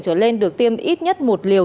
trở lên được tiêm ít nhất một liều